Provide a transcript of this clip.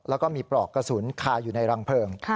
แล้วก็มีปลอกกระสุนคาอยู่ในรังเพลิง